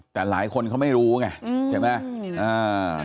แต่หลายคนเขาไม่รู้ไงเห็นไหม